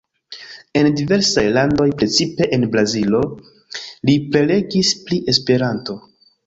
En diversaj landoj, precipe en Brazilo, li prelegis pri Esperanto.